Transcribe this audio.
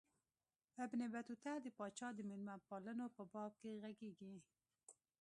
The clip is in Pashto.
ابن بطوطه د پاچا د مېلمه پالنو په باب ږغیږي.